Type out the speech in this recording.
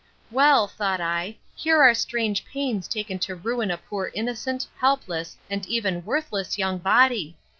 Well, thought I, here are strange pains taken to ruin a poor innocent, helpless, and even worthless young body.